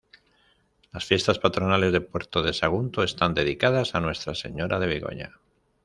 Las fiestas patronales de Puerto de Sagunto están dedicadas a Nuestra Señora de Begoña.